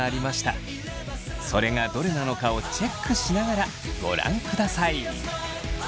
それがどれなのかをチェックしながらご覧ください。